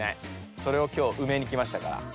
それを今日うめにきましたから。